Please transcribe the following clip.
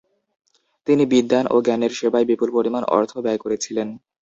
তিনি বিদ্বান ও জ্ঞানের সেবায় বিপুল পরিমাণ অর্থ ব্যয় করেছিলেন।